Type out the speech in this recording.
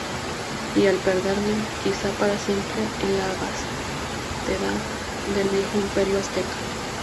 y al perderme, quizá para siempre, en la vastedad del viejo Imperio Azteca